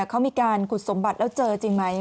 เขามีการขุดสมบัติแล้วเจอจริงไหม